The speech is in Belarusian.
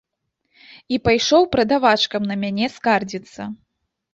І пайшоў прадавачкам на мяне скардзіцца.